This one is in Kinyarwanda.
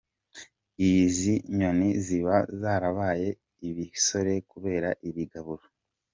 Izi nyoni ziba zarabaye ibisore kubera iri gaburo.